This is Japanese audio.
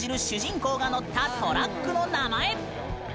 主人公が乗ったトラックの名前。